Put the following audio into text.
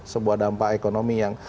sebuah dampak ekonomi yang